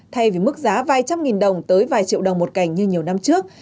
thay vì mức giá vài trăm nghìn đồng tới vài triệu đồng một cành như nhiều năm trước